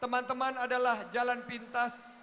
teman teman adalah jalan pintas